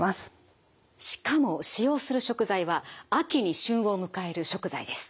しかも使用する食材は秋に旬を迎える食材です。